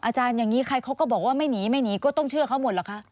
อย่างนี้ใครเขาก็บอกว่าไม่หนีไม่หนีก็ต้องเชื่อเขาหมดหรอคะ